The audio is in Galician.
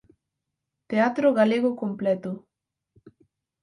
Teatro galego completo.